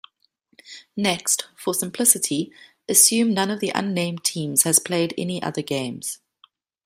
Next, for simplicity, assume none of the unnamed teams has played any other games.